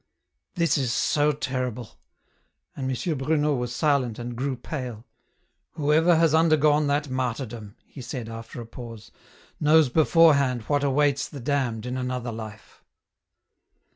" This is so terrible ..." and M. Bruno was silent and grew pale. " Whoever has undergone that martyrdom," he said, after a pause, " knows beforehand what awaits the damned in another life."